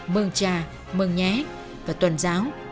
mường trà mường nhé và tuần giáo